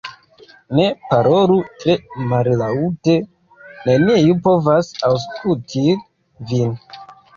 Ne parolu tre mallaŭte, neniu povas aŭskutil vin